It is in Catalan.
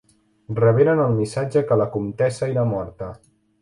Reberen el missatge que la comtessa era morta.